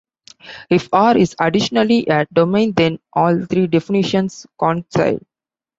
If "R" is additionally a domain then all three definitions coincide.